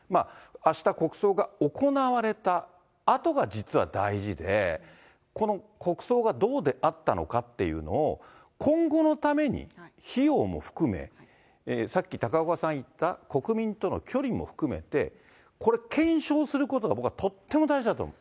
あした国葬が行われたあとが実は大事で、この国葬がどうであったのかっていうのを、今後のために費用も含め、さっき高岡さん言った、国民との距離も含めて、これ、検証することが僕はとっても大事だと思う。